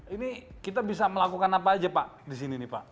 ini kita bisa melakukan apa aja pak di sini nih pak